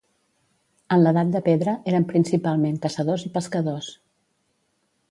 En l'Edat de Pedra, eren principalment caçadors i pescadors.